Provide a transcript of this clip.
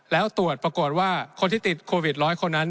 แล้วตรวจปรากฏว่าคนที่ติดโควิด๑๐๐คนนั้น